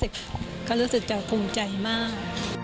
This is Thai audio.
ก็รู้สึกจะภูมิใจมาก